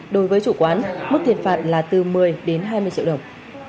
đối với chủ quán mức thiệt phạt là từ một mươi đến hai mươi triệu đồng